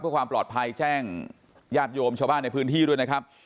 เพื่อความปลอดภัยแจ้งญาติโยมชาวบ้านในพื้นที่ด้วยนะครับ